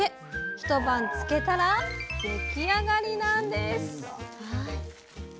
一晩漬けたら出来上がりなんです。